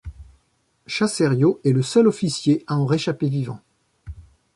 Chassériau est le seul officier a en réchapper vivant.